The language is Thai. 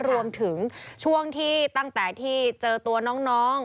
รวมถึงช่วงที่ตั้งแต่ที่เจอตัวน้อง